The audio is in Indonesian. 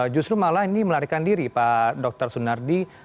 justru malah ini melarikan diri pak dr sunardi